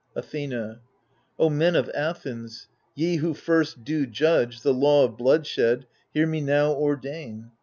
Athena O men of Athens, ye who first do judge The law of bloodshed, hear me now ordain.